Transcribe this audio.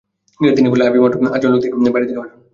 তিনি বললেন, আইভী মাত্র আটজন লোক নিয়ে বাড়ি থেকে বের হন।